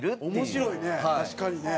面白いね